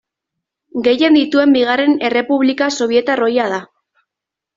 Gehien dituen bigarren errepublika sobietar ohia da.